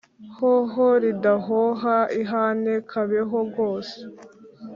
Hoho ridahoha ihane, kabeho rwose